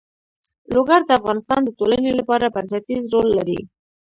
لوگر د افغانستان د ټولنې لپاره بنسټيز رول لري.